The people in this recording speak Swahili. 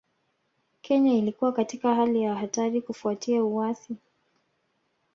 Kenya ilikuwa katika hali ya hatari kufuatia uasi